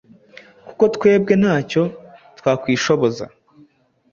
kuko twebwe ntacyo twakwishoboza